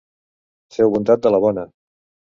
Feu bondat de la bona!